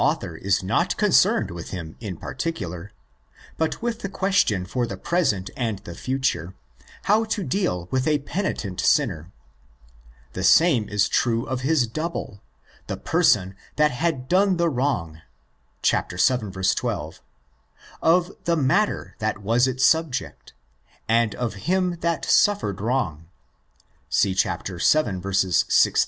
The author is not concerned with him in particular, but with the question for the present and the future, How to deal with a penitent sinner. The same is true of his double, the person '' that had done the wrong" (6 ἀδικήσας, vii. 12), of "the matter" (τὸ apayua) that was its subject, and of him "that suffered wrong'' (6 ἀδικηθείς) : see vii.